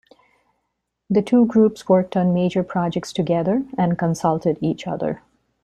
The two groups worked on major projects together and consulted each other.